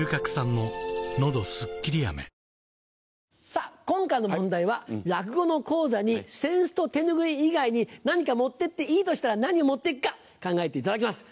さぁ今回の問題は落語の高座に扇子と手拭い以外に何か持って行っていいとしたら何を持って行くか考えていただきます